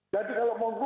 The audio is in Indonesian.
jadi kalau mau lupa